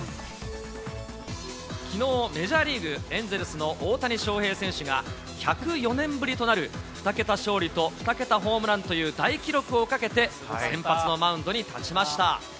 きのう、メジャーリーグ・エンゼルスの大谷翔平選手が、１０４年ぶりとなる２桁勝利と２桁ホームランという大記録をかけて、先発のマウンドに立ちました。